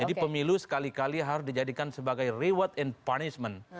jadi pemilu sekali kali harus dijadikan sebagai reward and punishment